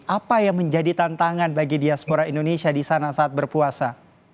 apa yang menjadi tantangan bagi diaspora indonesia di sana saat berpuasa